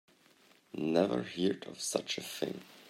Never heard of such a thing.